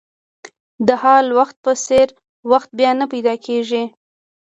د حال وخت په څېر وخت بیا نه پیدا کېږي.